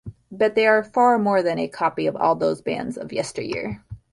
But they are far more than a copy of all those bands of yesteryear.